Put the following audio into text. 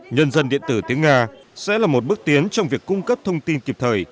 nhân dân điện tử tiếng nga sẽ là một bước tiến trong việc cung cấp thông tin kịp thời